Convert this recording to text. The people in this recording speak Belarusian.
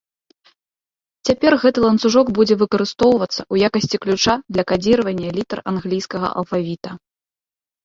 Цяпер гэты ланцужок будзе выкарыстоўвацца ў якасці ключа для кадзіравання літар англійскага алфавіта.